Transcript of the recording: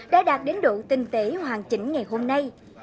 đã đạt đến độ tinh tế hoàn chỉnh ngày hôm nay